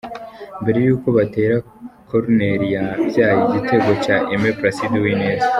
Mbere y'uko batera koruneri yabyaye igitego cya Aime Placide Uwineza .